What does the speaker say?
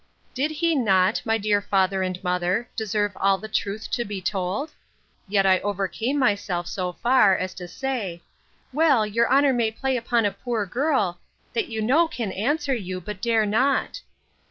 Did he not, my dear father and mother, deserve all the truth to be told? Yet I overcame myself so far, as to say, Well, your honour may play upon a poor girl, that you know can answer you, but dare not.